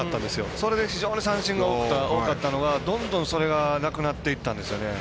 それで非常に三振が多かったのがどんどん、それがなくなっていったんですよね。